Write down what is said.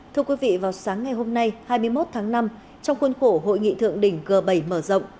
thưa quý vị vào sáng ngày hôm nay hai mươi một tháng năm trong khuôn khổ hội nghị thượng đỉnh g bảy mở rộng